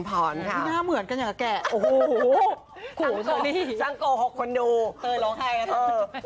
เป็นช่างโกหกคนดู